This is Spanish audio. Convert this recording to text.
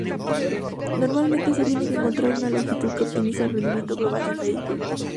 Normalmente se tiene que encontrar una longitud que optimiza el rendimiento global del vehículo.